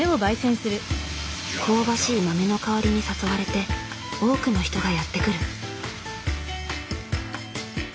香ばしい豆の香りに誘われて多くの人がやって来る。